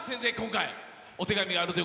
お手紙があると。